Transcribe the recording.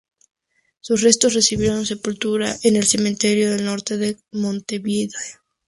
Sus restos recibieron sepultura en el Cementerio del Norte de Montevideo.